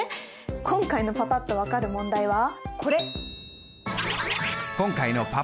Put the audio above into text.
今回のパパっと分かる問題はこれ。